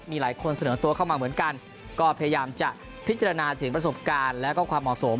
มีหลายคนเสนอตัวเข้ามาเหมือนกันก็พยายามจะพิจารณาถึงประสบการณ์แล้วก็ความเหมาะสม